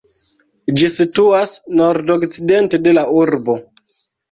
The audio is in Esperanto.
Ĝi situas nordokcidente de la urbo.